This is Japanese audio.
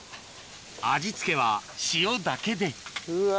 味付けは塩だけでうわ。